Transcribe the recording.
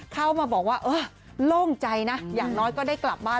เข้ามาบอกว่าเออโล่งใจนะอย่างน้อยก็ได้กลับบ้าน